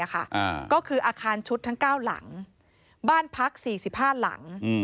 ก็คืออาคารชุดทั้ง๙หลังบ้านพัก๔๕หลัง